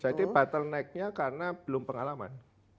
jadi bottlenecknya karena belum pengalaman